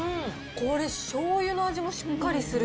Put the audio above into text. これ、しょうゆの味もしっかりする。